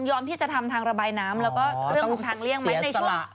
ยอมที่จะทำทางระบายน้ำแล้วก็เรื่องทางเลี่ยงมั้ยในช่วงอ๋อต้องเสียสละ